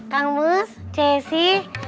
kang bus ceci